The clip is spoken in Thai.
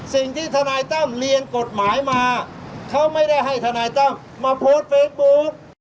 สิ่งที่ทนายตั้มเรียนกฎหมายมาเขาไม่ได้ให้ทนายตั้มมาโพสต์เฟซบุ๊ก